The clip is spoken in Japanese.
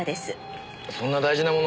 そんな大事なもの